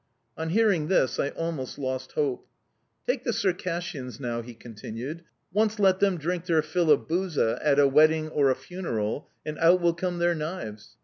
On hearing this I almost lost hope. "Take the Circassians, now," he continued; "once let them drink their fill of buza at a wedding or a funeral, and out will come their knives.